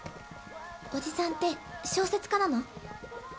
おじさんって小説家なの？